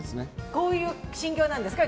こういう心境なんですか？